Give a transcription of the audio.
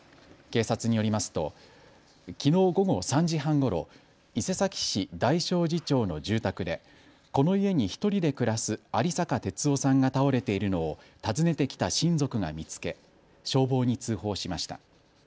警察によりますときのう午後３時半ごろ、伊勢崎市大正寺町の住宅でこの家に１人で暮らす有坂鐵男さんが倒れているのを訪ねてきた親族が見つけ消防に通報しました。